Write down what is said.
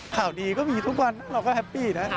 ข่าวดีก็มีทุกวันเราก็แฮปปี้นะ